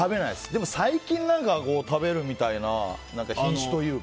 でも最近、食べるみたいな品種というか。